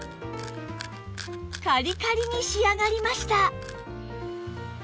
カリカリに仕上がりました